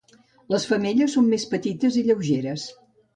Les femelles són més petites i lleugeres.